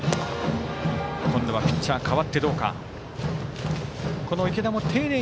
今度はピッチャーかわってどうか。